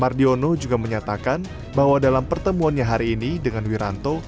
mardiono juga menyatakan bahwa dalam pertemuannya hari ini dengan wiranto